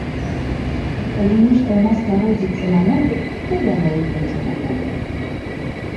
Калі нешта ў нас народзіцца на мове, то яно і будзе на мове!